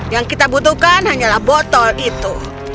yang kita butuhkan hanyalah botol itu